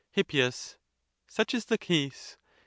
Hip. Such is the case.